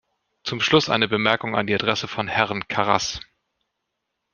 Zum Schluss eine Bemerkung an die Adresse von Herrn Karas.